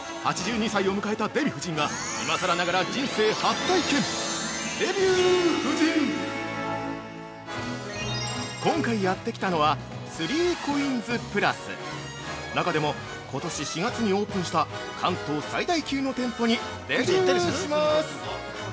８２歳を迎えたデヴィ夫人が「今さらながら、人生初体験！デヴュー夫人」◆今回やって来たのは「３ＣＯＩＮＳ＋ｐｌｕｓ」中でも、今年４月にオープンした関東最大級の店舗にデビューします。